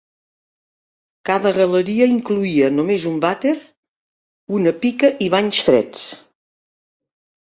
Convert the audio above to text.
Cada galeria incloïa només un vàter, una pica i banys freds.